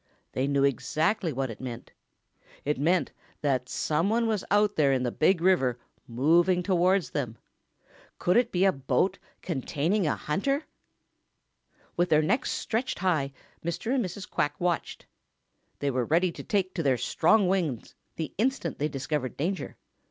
They knew exactly what it meant. It meant that some one was out there in the Big River moving towards them. Could it be a boat containing a hunter? With their necks stretched high, Mr. and Mrs. Quack watched. They were ready to take to their strong wings the instant they discovered danger.